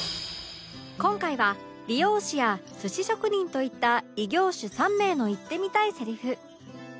今回は理容師や寿司職人といった異業種３名の言ってみたいセリフ